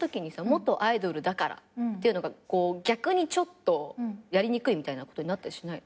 「元アイドルだから」っていうのが逆にちょっとやりにくいみたいなことになったりしない？